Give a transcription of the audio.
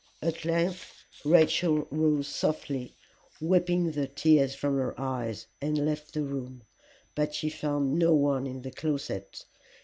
At length Rachel rose softly, wiping the tears from her eyes, and left the room. But she found no one in the closet.